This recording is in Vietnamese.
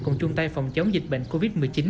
cùng chung tay phòng chống dịch bệnh covid một mươi chín